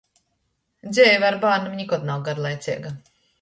Dzeive ar bārnim nikod nav garlaiceiga.